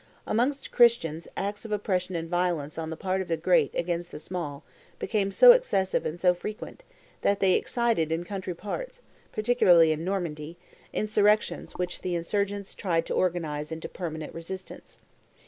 Amongst Christians acts of oppression and violence on the part of the great against the small became so excessive and so frequent that they excited in country parts, particularly in Normandy, insurrections which the insurgents tried to organize into permanent resistance.